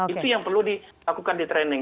itu yang perlu dilakukan di training